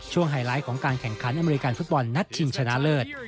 ไฮไลท์ของการแข่งขันอเมริกันฟุตบอลนัดชิงชนะเลิศ